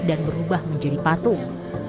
dan berubah menjadi patung